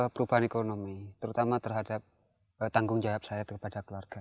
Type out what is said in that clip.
perubahan ekonomi terutama terhadap tanggung jawab saya kepada keluarga